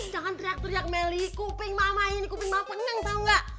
jangan teriak teriak melih kuping mama ini kuping mama peneng tau gak